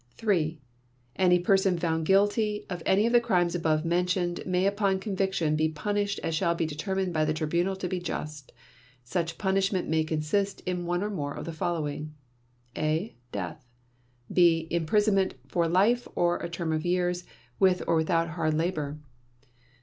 ... "(3) Any person found guilty of any of the crimes above mentioned may upon conviction be punished as shall be determined by the Tribunal to be just. Such punishment may consist of one or more of the following: (a) Death. (b) Imprisonment for life or a term of years, with or without hard labor.